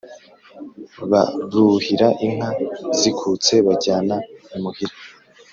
baruhira, inka zikutse bajyana imuhira